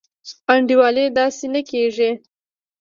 انډيوالي داسي نه کيږي.